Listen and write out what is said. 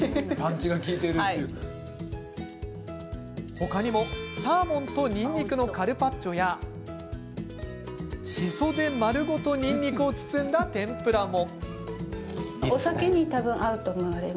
他にも、サーモンとにんにくのカルパッチョやしそで丸ごとにんにくを包んだ天ぷらも。